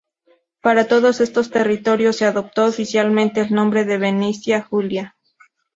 Para todos estos territorios se adoptó oficialmente el nombre de Venecia Julia.